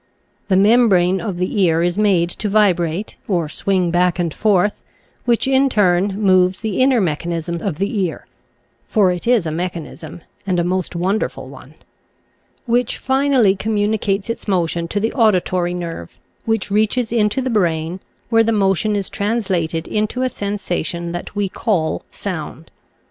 The membrane of the ear is made to vibrate or swing back and forth, which, in turn, moves the inner mechanism of the ear — for it is a mechanism, and a most wonderful one — which finally communicates its motion to the audi tory nerve, which reaches into the brain, where the motion is translated into a sensation that we call Sound.